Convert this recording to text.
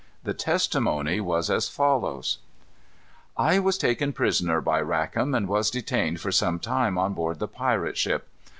The testimony was as follows: "I was taken prisoner by Rackam, and was detained for some time on board the pirate ship.